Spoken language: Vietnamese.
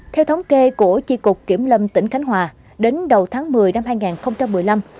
theo thống kê của tri cục kiểm lâm tỉnh khánh hòa đến đầu tháng một mươi năm hai nghìn một mươi năm